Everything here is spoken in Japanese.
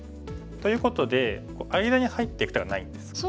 ということで間に入っていく手がないんです。